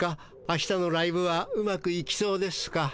あしたのライブはうまくいきそうですか？